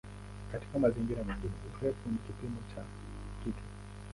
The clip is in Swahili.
Katika mazingira mengine "urefu" ni kipimo cha kitu.